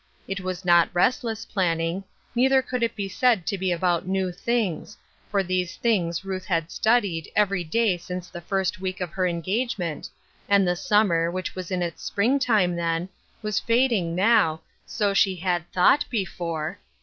It was not rest less planning; neither could it be said to be about new things, for these things Ruth had studied every day since the first week of her engagement, and the summer, which was in its spring time then, was fading now, so she had thought before.